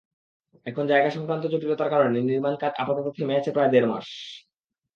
এখন জায়গাসংক্রান্ত জটিলতার কারণে নির্মাণকাজ আপাতত থেমে আছে প্রায় দেড় মাস।